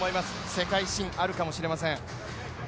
世界新、あるかもしれません。